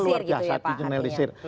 perusahaannya luar biasa di generalisir